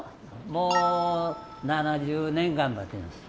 もう７０年頑張ってます。